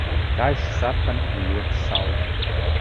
Gaiši sarkani un ļoti saldi.